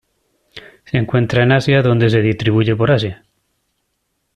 Se encuentra en Asia donde se distribuye por Asia.